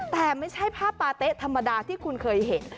แต่ไม่ใช่ผ้าปาเต๊ะธรรมดาที่คุณเคยเห็น